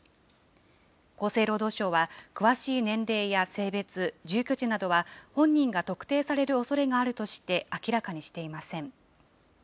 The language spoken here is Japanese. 厚生労働省は、詳しい年齢や性別、住居地などは、本人が特定されるおそれがあるとして明らかにしていません。